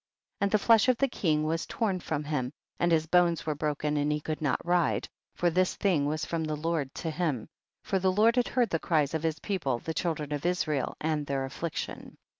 45. And the flesh of the king was torn from him, and his bones were broken and he could not ride, for this thing was from the Lord to him, for the Lord had heard the cries of his people the children of Israel and their affliction.